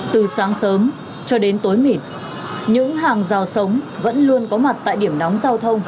từ sáng sớm cho đến tối mịt những hàng rào sống vẫn luôn có mặt tại điểm nóng giao thông